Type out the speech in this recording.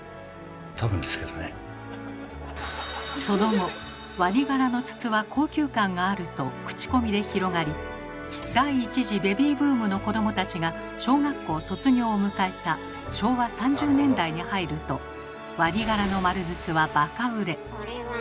その後ワニ柄の筒は高級感があると口コミで広がり第１次ベビーブームの子どもたちが小学校卒業を迎えた昭和３０年代に入るとワニ柄の丸筒はバカ売れ。